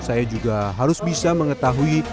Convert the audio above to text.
saya juga harus bisa mengetahui